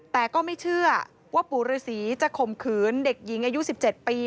แต่ก็ไม่เชื่อว่าปู่ฤษีจะข่มขืนเด็กหญิงอายุ๑๗ปี